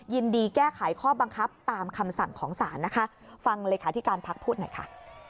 ยินดีแก้ไขข้อบังคับตามคำสั่งของศาลนะคะฟังเลขาธิการพักพูดหน่อยค่ะ